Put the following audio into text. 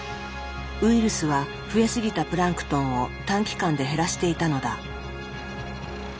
ウイルスは増えすぎたプランクトンを短期間で減らしていたのだ。